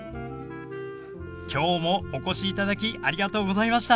きょうもお越しいただきありがとうございました。